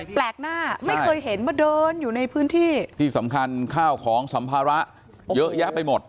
แปลกหน้าไม่เคยเห็นมาเดินอยู่ในพื้นที่ที่สำคัญข้าวของสัมภาระเยอะแยะไปหมด